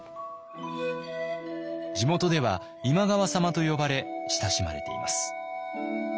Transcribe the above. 地元では「今川様」と呼ばれ親しまれています。